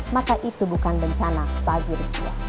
maka itu bukan bencana bagi rusia